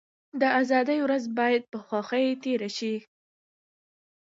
د ازادۍ ورځ بايد په خوښۍ تېره شي.